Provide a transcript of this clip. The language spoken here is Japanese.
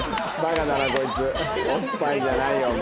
おっぱいじゃないよお前。